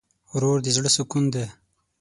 ورور د زړه سکون دی.